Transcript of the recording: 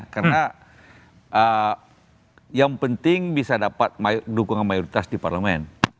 karena yang penting bisa dapat dukungan mayoritas di parlemen